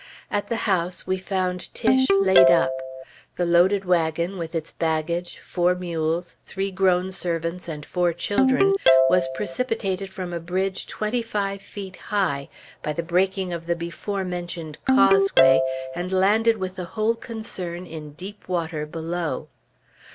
At the house we found Tiche laid up. The loaded wagon, with its baggage, four mules, three grown servants, and four children, was precipitated from a bridge twenty five feet high, by the breaking of the before mentioned causeway, and landed with the whole concern in deep water below.